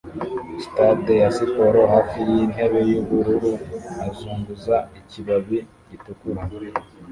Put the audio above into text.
stade ya siporo hafi yintebe yubururu azunguza ikibabi gitukura